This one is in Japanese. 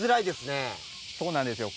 そうなんですよ。